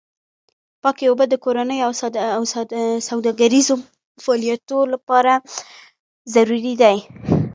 پاکې اوبه د کورنیو او سوداګریزو فعالیتونو لپاره ضروري دي.